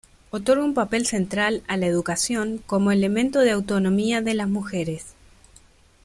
Otorga un papel central a la educación como elemento de autonomía de las mujeres.